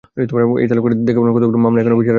এই তালিকাটা দেখে বলুন কতগুলো মামলা এখনও বিচারাধীন আছে।